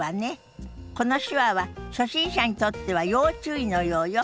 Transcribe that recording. この手話は初心者にとっては要注意のようよ。